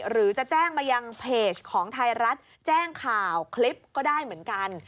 หรือจะแจ้งมายังเพจของไทยรัฐแจ้งข่าวคลิปก็ได้เหมือนกัน